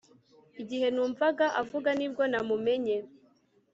igihe numvaga avuga ni bwo namumenye